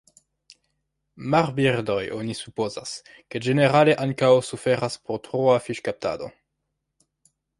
Marbirdoj oni supozas, ke ĝenerale ankaŭ suferas por troa fiŝkaptado.